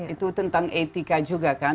itu tentang etika juga kan